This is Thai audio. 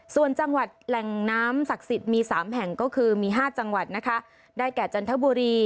ส่วนจังหวัดแหล่งน้ำศักดิ์สิทธิ์มี๓แห่งก็คือมี๕จังหวัดนะคะได้แก่จันทบุรี